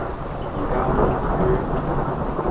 而家黃雨